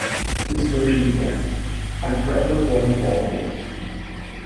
His version began: I'm forever blowing ballgames.